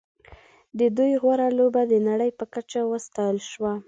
د دوی غوره لوبه د نړۍ په کچه وستایل شوه.